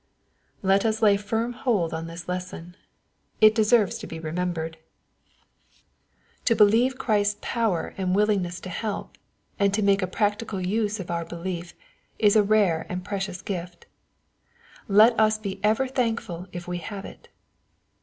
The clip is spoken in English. Let us lay firm hold on this lesson. It deserves to be 76 EXFOSITOBT IHOnOHT& remembered. To believe Christ's power and willingness to help, and to make a practical use of our belief, is a rare and precious gift. Let us be ever thankful if we have it.